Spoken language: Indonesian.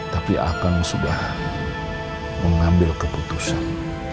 tapi apeng sudah mengambil keputusan